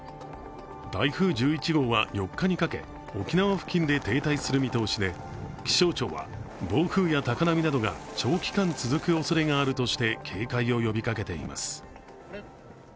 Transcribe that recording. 台風１１号は４日にかけ、沖縄付近で停滞する見通しで、気象庁は暴風や高波などが長期間続くおそれがあるとして警戒を呼びかけています。